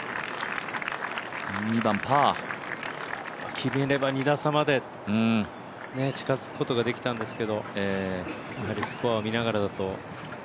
決めれば２打差まで近づくことができたんですけどやはりスコアを見ながらだと。